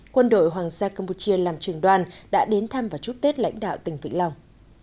quân đội hoàng gia campuchia làm trường đoàn đã đến thăm và chúc tết lãnh đạo tỉnh vĩnh long